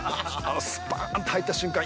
スパーンと入った瞬間